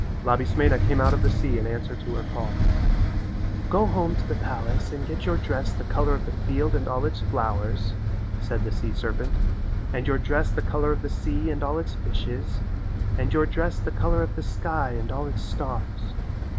Labismena came out of the sea in answer to her call. "Go home to the palace and get your dress the colour of the field and all its flowers," said the sea serpent, "and your dress the colour of the sea and all its fishes, and your dress the colour of the sky and all its stars.